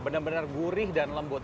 benar benar gurih dan lembut